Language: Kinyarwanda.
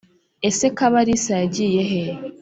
Ese kabalisa yagiye he?